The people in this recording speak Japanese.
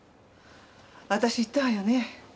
私言ったわよね？